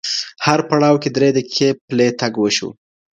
هر پړاو کې درې دقیقې پلی تګ وشو.